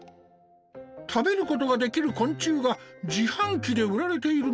食べることができる昆虫が自販機で売られているの？